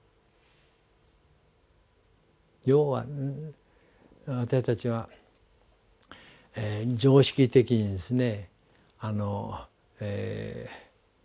要は私たちは常識的にですね